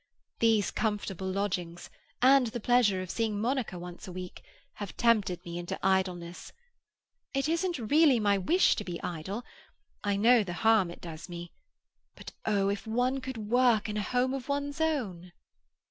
These comfortable lodgings, and the pleasure of seeing Monica once a week, have tempted me into idleness. It isn't really my wish to be idle; I know the harm it does me; but oh! if one could work in a home of one's own!"